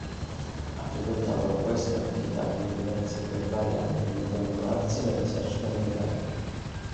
Ha frequentato la Western Kentucky University per vari anni prima di arruolarsi nell'esercito americano.